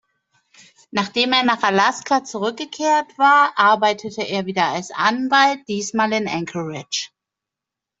Nachdem er nach Alaska zurückgekehrt war, arbeitete er wieder als Anwalt, diesmal in Anchorage.